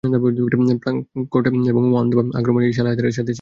প্রাঙ্কোট এবং ওয়ানধামা আক্রমণেও এই শালা হায়দারের সাথে ছিল।